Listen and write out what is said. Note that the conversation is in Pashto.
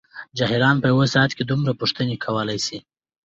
جاهلان په یوه ساعت کې دومره پوښتنې کولای شي.